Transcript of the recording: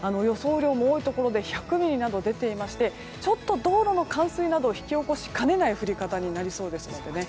雨量も多いところで１００ミリなどと出ていましてちょっと道路の冠水などを引き起こしかねない降り方になりそうです。